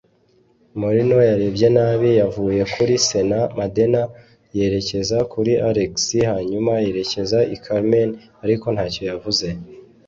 Morino yarebye nabi yavuye kuri Señor Medena yerekeza kuri Alex, hanyuma yerekeza i Carmen, ariko ntacyo yavuze.